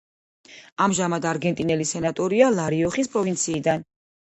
ამჟამად არგენტინელი სენატორია ლა-რიოხის პროვინციიდან.